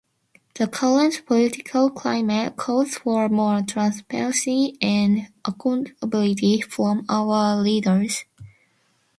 The current political climate calls for more transparency and accountability from our leaders.